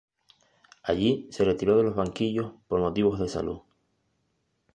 Allí se retiró de los banquillos por motivos de salud.